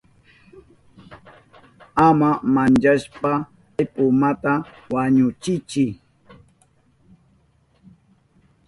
Ama manchashpa kay pumata wañuchiychi.